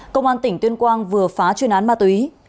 công an tỉnh tuyên quang vừa phá chuyên án ma túy